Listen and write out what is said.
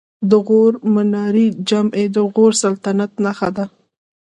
د غور منارې جمعې د غوري سلطنت نښه ده